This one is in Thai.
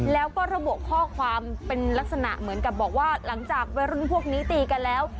แล้วก็ระบุข้อความเป็นลักษณะเหมือนกับบอกว่าหลังจากวัยรุ่นพวกนี้ตีกันแล้ว